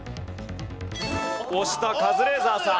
押したカズレーザーさん。